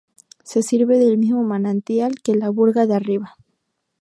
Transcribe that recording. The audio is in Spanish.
Se sirve del mismo manantial que la Burga de Arriba.